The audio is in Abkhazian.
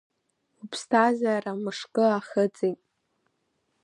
Уԥсҭазаара мышкы ахыҵит.